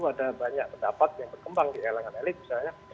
ada banyak pendapat yang berkembang di elemen elemen misalnya